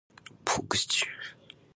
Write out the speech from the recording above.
ポークシチュー